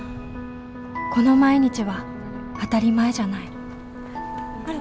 この毎日は当たり前じゃないあれ